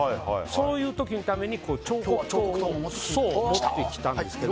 そういう時のために彫刻刀を持ってきたんですけど。